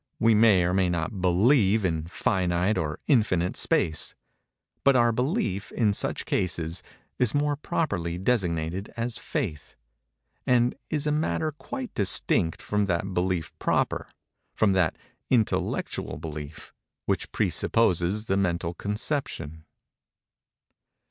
We may or may not believe in finite or in infinite space; but our belief, in such cases, is more properly designated as faith, and is a matter quite distinct from that belief proper—from that intellectual belief—which presupposes the mental conception.